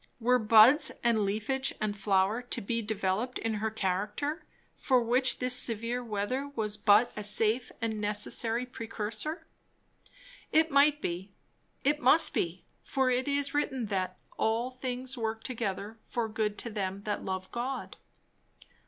were buds and leafage and flower to be developed in her character, for which this severe weather was but a safe and necessary precursor? It might be; it must be; for it is written that "all things work together for good to them that love God."